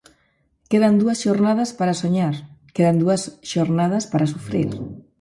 Quedan dúas xornadas para soñar, quedan dúas xornadas para sufrir.